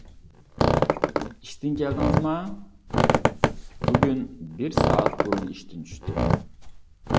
-ئىشتىن كەلدىڭىزما؟ بۈگۈن بىر سائەت بۇرۇن ئىشتىن چۈشتۈم.